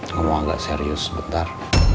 ngomong agak serius sebentar